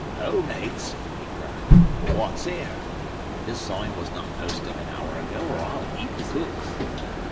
"Ho, mates!" he cried. "What's here? This sign was not posted an hour ago or I'll eat the cook."